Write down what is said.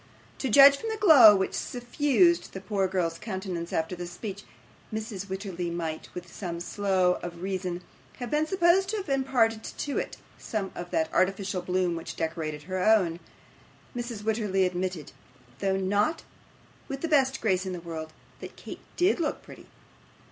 To judge from the glow which suffused the poor girl's countenance after this speech, Mrs. Wititterly might, with some show of reason, have been supposed to have imparted to it some of that artificial bloom which decorated her own. Mrs. Wititterly admitted, though not with the best grace in the world, that Kate DID look pretty.